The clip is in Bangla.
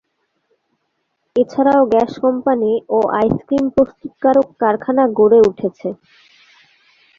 এছাড়াও গ্যাস কোম্পানি ও আইসক্রিম প্রস্তুতকারক কারখানা গড়ে উঠেছে।